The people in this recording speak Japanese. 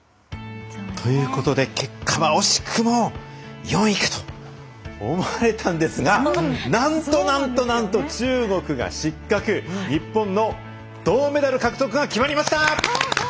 ということで結果は惜しくも４位かと思われたんですが何と何と中国が失格日本の銅メダル獲得が決まりました！